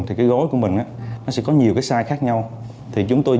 thì cái gối của mình sẽ có nhiều cái size khác nhau